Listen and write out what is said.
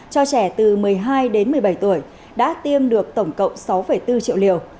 cho trẻ từ một mươi hai đến một mươi bảy tuổi đã tiêm được tổng cộng sáu bốn triệu liều